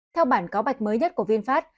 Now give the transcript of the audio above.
theo bản cáo bạch mới nhất của vinfast